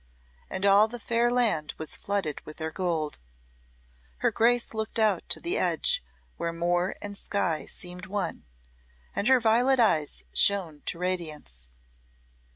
And all the fair land was flooded with their gold. Her Grace looked out to the edge where moor and sky seemed one, and her violet eyes shone to radiance.